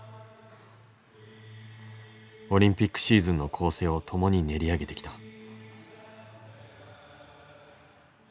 オリンピックシーズンの構成を共に練り上げてきた。